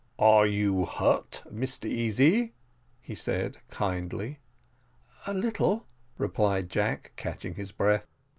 "Are you hurt, Mr Easy?" said he kindly. "A little," replied Jack, catching his breath.